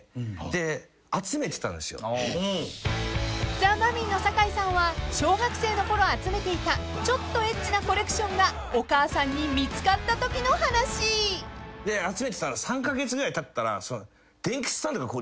［ザ・マミィの酒井さんは小学生のころ集めていたちょっとエッチなコレクションがお母さんに見つかったときの話］集めてて３カ月ぐらいたったら。